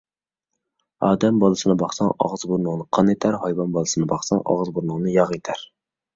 ئادەم بالىسىنى باقساڭ ئاغزى-بۇرنۇڭنى قان ئېتەر، ھايۋان بالىسىنى باقساڭ ئاغزى-بۇرنۇڭنى ياغ ئېتەر.